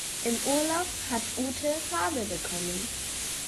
Im Urlaub hat Ute Farbe bekommen.